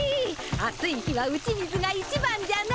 暑い日は打ち水がいちばんじゃな。